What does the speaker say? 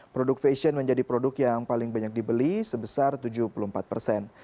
produk fashion menjadi produk yang paling banyak dibeli sebesar tujuh puluh empat persen